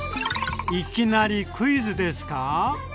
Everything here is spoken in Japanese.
いきなりクイズですか？